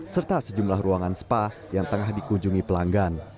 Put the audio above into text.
serta sejumlah ruangan spa yang tengah dikunjungi pelanggan